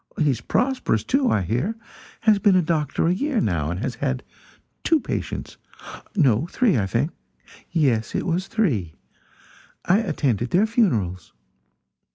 He is prosperous, too, I hear; has been a doctor a year, now, and has had two patients no, three, I think; yes, it was three. I attended their funerals.